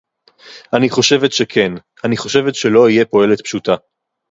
אני חושבת שכן. אני חושבת שלא אהיה פועלת פשוטה.